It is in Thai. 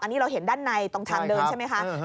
อันนี้เราเห็นด้านในตรงทางเดินใช่ไหมคะ